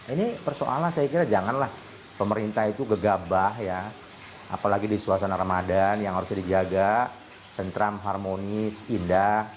ini persoalan saya kira janganlah pemerintah itu gegabah ya apalagi di suasana ramadan yang harusnya dijaga tentram harmonis indah